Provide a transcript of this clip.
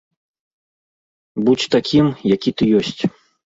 Будзь такім, які ты ёсць.